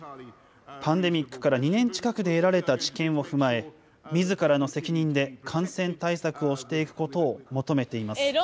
パンデミックから２年近くで得られた知見を踏まえ、みずからの責任で感染対策をしていくことを求めています。